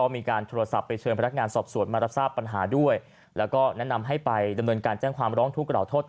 มันทำกับแม่หนูยังไม่พอมันมาทำหนูอีก